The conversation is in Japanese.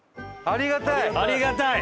ありがたい！